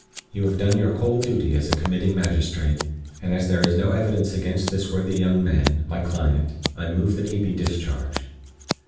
You have done your whole duty as a committing magistrate, and as there is no evidence against this worthy young man, my client, I move that he be discharged."